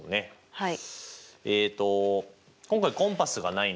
はい。